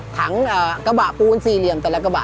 ถังกระบะปูนสี่เหลี่ยมแต่ละกระบะ